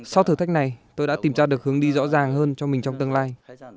sau thử thách này tôi đã tìm ra được hướng đi rõ ràng hơn cho mình trong tương lai